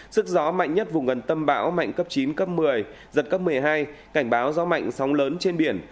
sức gió mạnh nhất vùng gần tâm bão mạnh cấp chín cấp một mươi giật cấp một mươi hai cảnh báo gió mạnh sóng lớn trên biển